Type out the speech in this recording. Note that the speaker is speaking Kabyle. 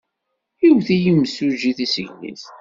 Iwet-iyi yimsujji tissegnit.